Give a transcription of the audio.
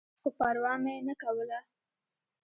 خو پروا مې نه کوله.